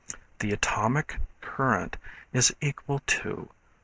The atomic current is equal to 1.